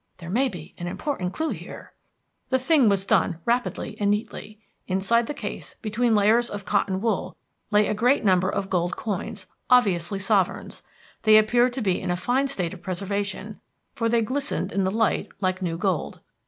There may be an important clue here." The thing was done rapidly and neatly. Inside the case, between layers of cotton wool, lay a great number of gold coins, obviously sovereigns. They appeared to be in a fine state of preservation, for they glistened in the light like new gold.